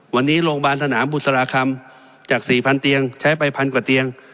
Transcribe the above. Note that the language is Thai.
วันนี้โรงพยาบาลสนามบุษราคำจาก๔๐๐เตียงใช้ไปพันกว่าเตียง